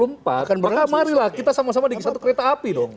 maka marilah kita sama sama di satu kereta api dong